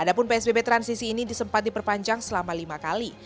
adapun psbb transisi ini disempat diperpanjang selama lima kali